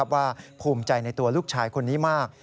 ว่าภูมิใจในตัวลูกชายคนนี้มาก